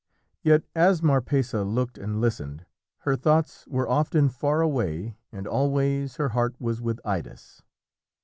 Yet as Marpessa looked and listened, her thoughts were often far away and always her heart was with Idas.